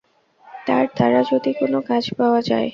তাঁর দ্বারা যদি কোনো কাজ পাওয়া যায়।